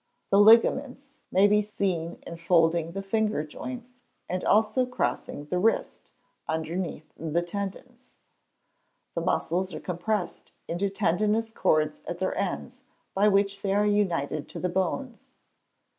The ligaments may be seen enfolding the finger joints, and also crossing the wrist, underneath the tendons. The muscles are compressed into tendinous cords at their ends, by which they are united to the bones.